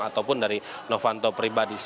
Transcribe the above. ataupun dari novanto pribadi